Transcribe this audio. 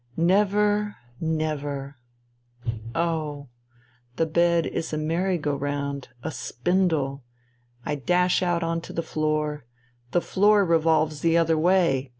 Never, never. ... Oh !... The bed is a merry go round, a spindle. I dash out on to the floor. The floor revolves the other way.